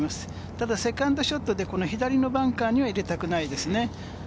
ただ、セカンドショットで左のバンカーには入れたくないですね。